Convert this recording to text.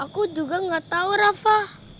aku juga gak tahu rafa